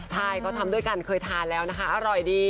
ใช่เขาทำด้วยกันเคยทานแล้วนะคะอร่อยดี